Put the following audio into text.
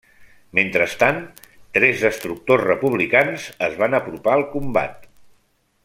Mentrestant, tres destructors republicans es van apropar al combat.